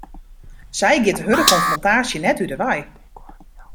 Sy giet de hurde konfrontaasje net út 'e wei.